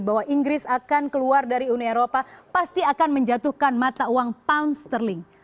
bahwa inggris akan keluar dari uni eropa pasti akan menjatuhkan mata uang pound sterling